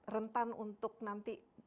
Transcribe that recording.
rentan untuk nanti